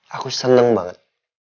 aku seneng banget